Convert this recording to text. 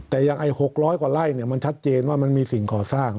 แต่อย่างไอ้๖๐๐กว่าไร่มันชัดเจนว่ามันมีสิ่งก่อสร้าง